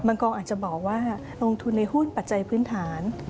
กองอาจจะบอกว่าลงทุนในหุ้นปัจจัยพื้นฐาน